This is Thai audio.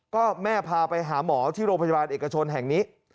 ก็แม่พาไปหาหมอที่โรงพยาบาลเอกชนแห่งนี้